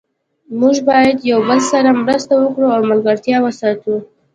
موږ باید یو بل سره مرسته وکړو او ملګرتیا وساتو